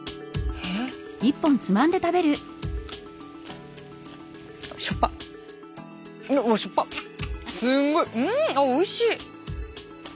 あっおいしい！